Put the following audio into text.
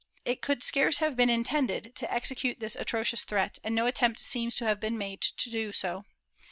^ It could scarce have been intended to execute this atrocious threat, and no attempt seems to have been made to do so.